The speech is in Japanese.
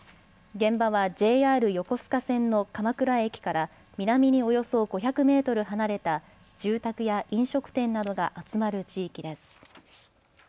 現場はＪＲ横須賀線の鎌倉駅から南におよそ５００メートル離れた住宅や飲食店などが集まる地域です。